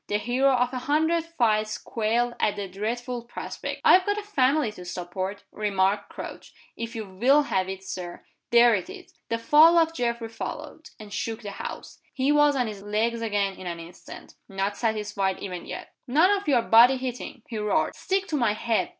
The hero of a hundred fights quailed at the dreadful prospect. "I've got a family to support," remarked Crouch. "If you will have it, Sir there it is!" The fall of Geoffrey followed, and shook the house. He was on his legs again in an instant not satisfied even yet. "None of your body hitting!" he roared. "Stick to my head.